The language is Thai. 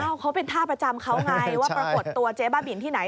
เขาเป็นท่าประจำเขาไงว่าปรากฏตัวเจ๊บ้าบินที่ไหน